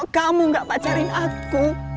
kamu gak pacarin aku